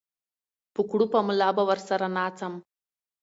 په کړوپه ملا به ورسره ناڅم